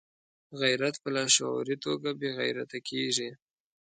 غیرت په لاشعوري توګه بې غیرته کېږي.